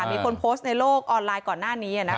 มีคนโพสต์ในโลกออนไลน์ก่อนหน้านี้